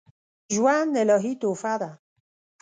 ژوند الهي تحفه ده